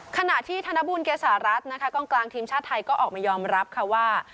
ขณะที่ธนบุญเกษารัฐนะคะกองกลางทีมชาติไทยก็ออกมายอมรับค่ะว่า